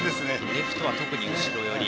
レフトは特に後ろ寄り。